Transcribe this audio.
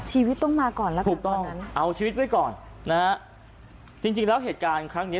ชีวิตต้องมาก่อนเอาชีวิตไว้ก่อนจริงแล้วเหตุการณ์ครั้งนี้